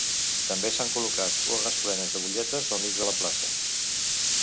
També s’han col·locat urnes plenes de butlletes al mig de la plaça.